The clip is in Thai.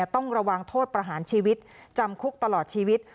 ต้องระวังโทษประหารชีวิตจำคุกตลอดชีวิต